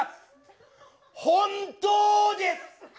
本当です！